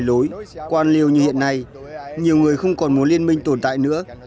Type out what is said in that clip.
nếu bỏ đi những lề lối quan liêu như hiện nay nhiều người không còn muốn liên minh tồn tại nữa